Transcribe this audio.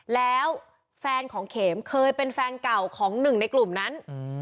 แล้วแฟนของเข็มเคยเป็นแฟนเก่าของหนึ่งในกลุ่มนั้น